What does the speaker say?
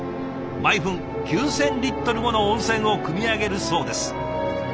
毎分９，０００リットルもの温泉をくみ上げるそうです。